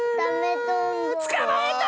つかまえた！